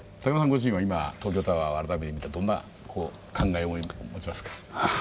ご自身は今東京タワーを改めて見てどんな感慨を持ちますか？